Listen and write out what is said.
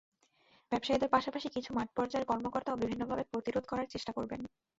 ব্যবসায়ীদের পাশাপাশি কিছু মাঠপর্যায়ের কর্মকর্তাও বিভিন্নভাবে প্রতিরোধ করার চেষ্টা করবেন।